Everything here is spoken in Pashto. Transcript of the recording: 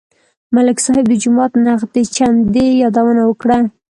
ملک صاحب د جومات نغدې چندې یادونه وکړه.